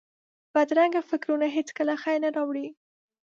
بدرنګه فکرونه هېڅکله خیر نه راولي